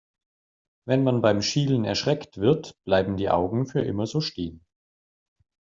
Wenn man beim Schielen erschreckt wird, bleiben die Augen für immer so stehen.